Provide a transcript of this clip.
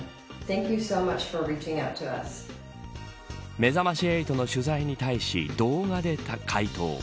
めざまし８の取材に対し動画で回答。